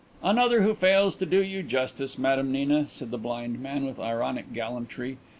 "Another who fails to do you justice, Madame Nina," said the blind man, with ironic gallantry.